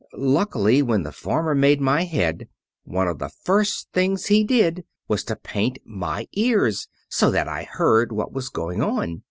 Luckily, when the farmer made my head, one of the first things he did was to paint my ears, so that I heard what was going on.